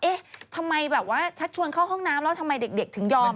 เอ๊ะทำไมแบบว่าชักชวนเข้าห้องน้ำแล้วทำไมเด็กถึงยอม